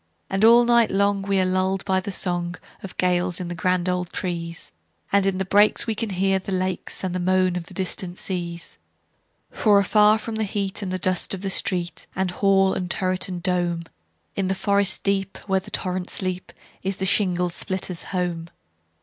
And all night long we are lulled by the songOf gales in the grand old trees; And in the breaks we can hear the lakesAnd the moan of the distant seas. For afar from heat and dust of street, And hall and turret, and dome, In forest deep, where the torrents leap, Is the shingle splitter's home.